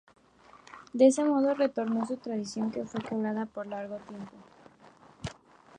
De ese modo retornó a su tradición que fue quebrada por largo tiempo.